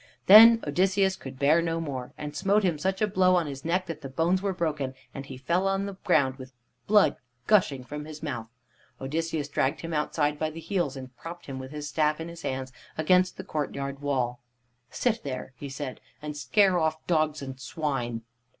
Then Odysseus could bear no more, and smote him such a blow on his neck that the bones were broken, and he fell on the ground with blood gushing from his mouth. Odysseus dragged him outside by the heels, and propped him, with his staff in his hands, against the courtyard wall. "Sit there," he said, "and scare off dogs and swine."